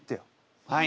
はい。